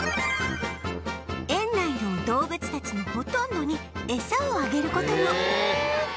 園内の動物たちのほとんどに餌をあげる事も